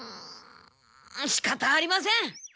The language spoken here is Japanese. しかたありません！